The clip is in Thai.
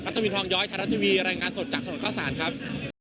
ทวินทองย้อยไทยรัฐทีวีรายงานสดจากถนนข้าวสารครับ